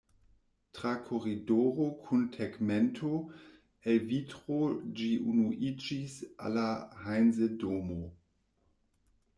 Tra koridoro kun tegmento el vitro ĝi unuiĝis al la Heinse-domo.